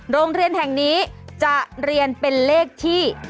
โรงเรียนแห่งนี้จะเรียนเป็นเลขที่